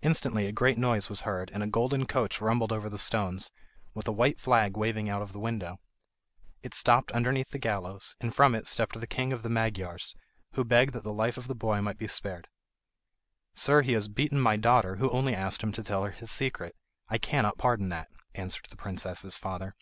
Instantly a great noise was heard and a golden coach rumbled over the stones, with a white flag waving out of the window. It stopped underneath the gallows, and from it stepped the king of the Magyars, who begged that the life of the boy might be spared. "Sir, he has beaten my daughter, who only asked him to tell her his secret. I cannot pardon that," answered the princess's father.